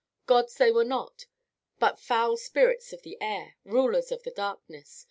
Gods they were not, but foul spirits of the air, rulers of the darkness.